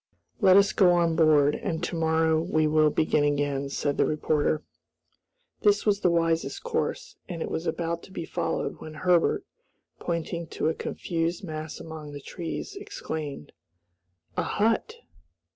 "Let us go on board, and to morrow we will begin again," said the reporter. This was the wisest course, and it was about to be followed when Herbert, pointing to a confused mass among the trees, exclaimed, "A hut!"